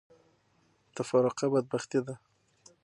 تفرقه بدبختي ده.